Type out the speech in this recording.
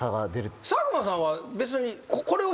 佐久間さんは別に。